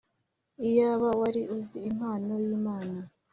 “Iyaba wari uzi impano y’Imana